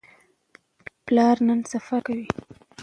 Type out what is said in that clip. پلار نن سفر نه کوي.